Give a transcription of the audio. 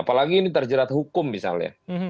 apalagi ini terjerat hukum misalnya